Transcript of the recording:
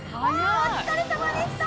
お疲れさまでした。